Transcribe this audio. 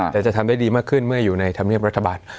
แต่จะทำได้ดีมากขึ้นเมื่ออยู่ในธรรมเนียบรัฐบาล